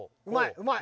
うまい！